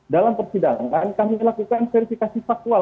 dalam persidangan kami lakukan verifikasi faktual